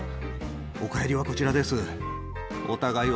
お帰りはこちらです。